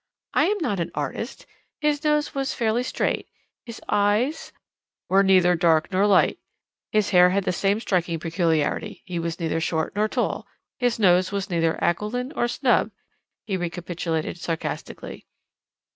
"I am not an artist. His nose was fairly straight his eyes " "Were neither dark nor light his hair had the same striking peculiarity he was neither short nor tall his nose was neither aquiline nor snub " he recapitulated sarcastically.